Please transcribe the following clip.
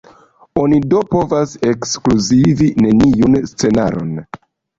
Oni do povas ekskluzivi neniun scenaron.